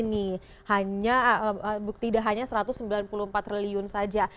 ini tidak hanya satu ratus sembilan puluh empat triliun saja